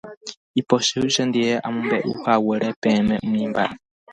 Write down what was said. Ipochy chendive amombe'uhaguére peẽme umi mba'e.